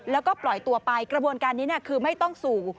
แล้วก็ปล่อยตัวไปกระบวนการนี้คือไม่ต้องสู่